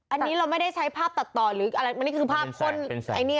อันนี้เราไม่ได้ใช้ภาพตัดต่อหรืออะไรมันคือเป็นแสงอันนี้